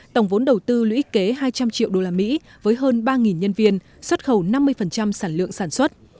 tổng vốn đầu tư lũy kế hai trăm linh triệu usd với hơn ba nhân viên xuất khẩu năm mươi sản lượng sản xuất